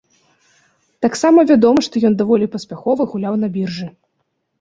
Таксама вядома, што ён даволі паспяхова гуляў на біржы.